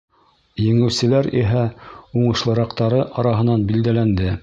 Еңеүселәр иһә уңышлыраҡтары араһынан билдәләнде.